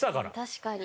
確かに。